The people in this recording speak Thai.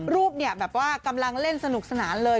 รูปเนี่ยแบบว่ากำลังเล่นสนุกสนานเลย